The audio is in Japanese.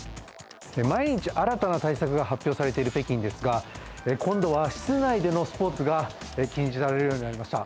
毎日新たな対策が発表されている北京ですが、今度は室内でのスポーツが禁じられるようになりました。